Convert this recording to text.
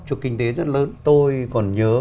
cho kinh tế rất lớn tôi còn nhớ